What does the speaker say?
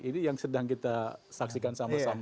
ini yang sedang kita saksikan sama sama